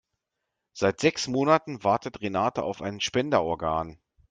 Seit sechs Monaten wartet Renate auf ein Spenderorgan.